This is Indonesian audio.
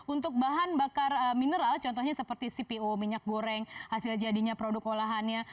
untuk bahan bakar mineral contohnya seperti cpo minyak goreng hasil jadinya produk olahannya